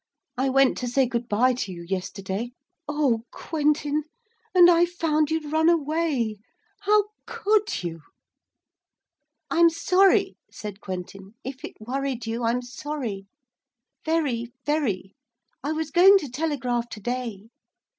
I went to say good bye to you yesterday Oh, Quentin and I found you'd run away. How could you?' 'I'm sorry,' said Quentin, 'if it worried you, I'm sorry. Very, very. I was going to telegraph to day.'